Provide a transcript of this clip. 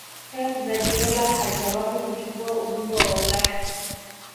pep guardiola hajawahi kuchukua ubingwa wa ulaya